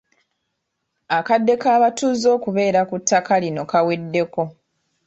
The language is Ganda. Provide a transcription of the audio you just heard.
Akadde k'abatuuze okubeera ku ttaka lino kaweddeko.